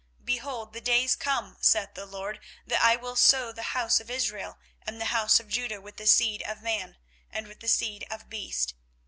24:031:027 Behold, the days come, saith the LORD, that I will sow the house of Israel and the house of Judah with the seed of man, and with the seed of beast.